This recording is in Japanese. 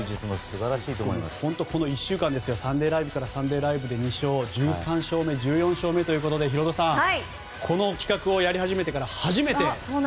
この１週間ですが「サンデーＬＩＶＥ！！」から「サンデーＬＩＶＥ！！」まで２勝して１３勝目、１４勝目ということでこの企画をやり始めてから初めて。